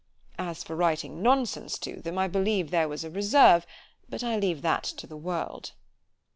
As for writing nonsense to them——I believe there was a reserve—but that I leave to the world.